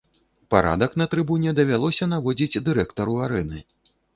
Парадак на трыбуне давялося наводзіць дырэктару арэны.